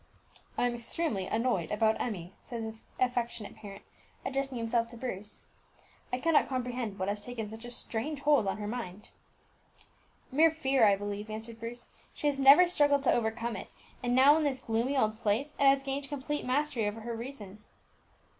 "I am extremely annoyed about Emmie," said the affectionate parent, addressing himself to Bruce; "I cannot comprehend what has taken such a strange hold on her mind." "Mere fear, I believe," answered Bruce. "She has never struggled to overcome it, and now in this gloomy old place it has gained complete mastery over her reason."